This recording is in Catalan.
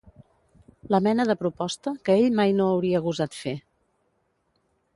La mena de proposta que ell mai no hauria gosat fer.